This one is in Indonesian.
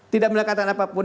tidak mengatakan apapun